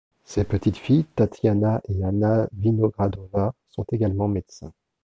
Ses petites-filles Tatiana et Anna Vinogradova sont également médecins.